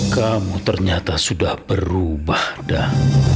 kamu ternyata sudah berubah dan